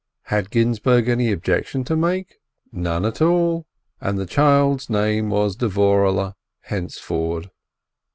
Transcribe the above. Had Ginzburg any objection to make? None at all, and the child's name was Dvorehle henceforward.